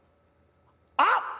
「あっ！